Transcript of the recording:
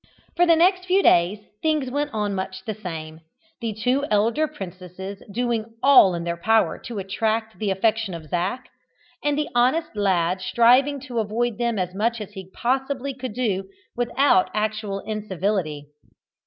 For the next few days things went on much the same, the two elder princesses doing all in their power to attract the affection of Zac, and the honest lad striving to avoid them as much as he possibly could do without actual incivility.